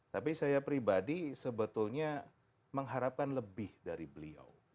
tapi saya pribadi sebetulnya mengharapkan lebih dari beliau